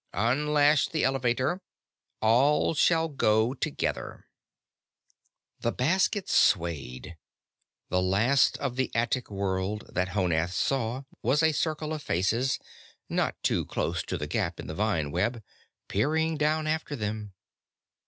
"Unlash the Elevator. All shall go together." The basket swayed. The last of the attic world that Honath saw was a circle of faces, not too close to the gap in the vine web, peering down after them.